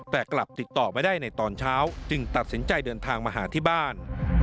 แต่กลับติดต่อไม่ได้ในตอนเช้าจึงตัดสินใจเดินทางมาหาที่บ้าน